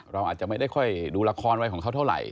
เราอาจจะไม่ได้ค่อยดูละครอะไรของเขาเท่าไหร